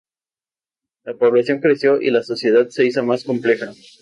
La población creció y la sociedad se hizo más compleja.